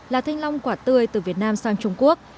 là thanh long quả tươi từ việt nam sang trung quốc